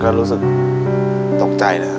ก็รู้สึกตกใจนะครับ